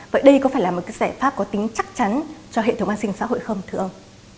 vậy đây có phải là một cái giải pháp có tính chắc chắn cho hệ thống an sinh xã hội không thưa ông